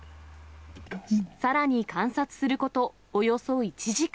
さらに観察すること、およそ１時間。